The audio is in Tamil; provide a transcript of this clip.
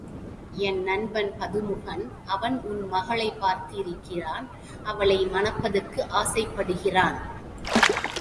என் நண்பன் பதுமுகன் அவன் உன் மகளைப் பார்த்து இருக்கிறான் அவளை மணப்பதற்கு அவன் ஆசைப்படுகிறான்.